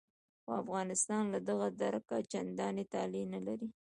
خو افغانستان له دغه درکه چندانې طالع نه لري.